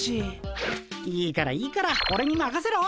いいからいいからオレにまかせろ！